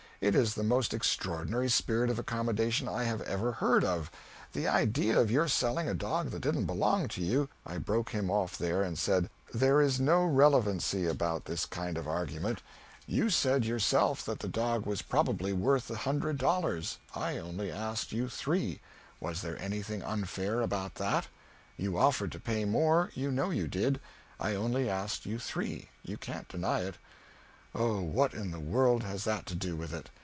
It is the most extraordinary spirit of accommodation I have ever heard of the idea of your selling a dog that didn't belong to you " I broke him off there, and said, "There is no relevancy about this kind of argument; you said yourself that the dog was probably worth a hundred dollars, I only asked you three; was there anything unfair about that? You offered to pay more, you know you did. I only asked you three; you can't deny it." "Oh, what in the world has that to do with it!